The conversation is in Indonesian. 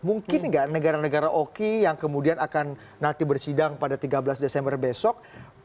mungkin nggak negara negara oki yang kemudian akan nanti bersidang pada tiga belas desember besok